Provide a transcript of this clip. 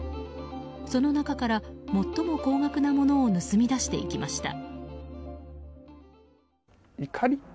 その中から最も高額なものを盗み出していきました。